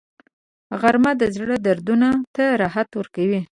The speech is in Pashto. غرمه د زړه دردونو ته راحت ورکوي